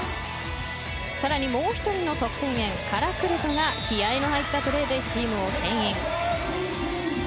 更にもう１人の得点源カラクルトが気合の入ったプレーでチームを牽引。